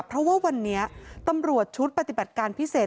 เพราะว่าวันนี้ตำรวจชุดปฏิบัติการพิเศษ